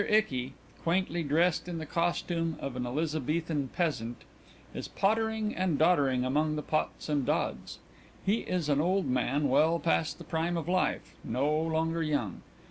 ICKY, _quaintly dressed in the costume of an Elizabethan peasant, is pottering and doddering among the pots and dods. He is an old man, well past the prime of life, no longer young.